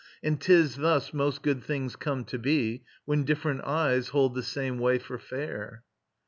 And 'tis thus most good things come to be, When different eyes hold the same for fair.